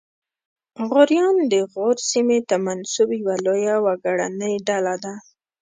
غوریان د غور سیمې ته منسوب یوه لویه وګړنۍ ډله ده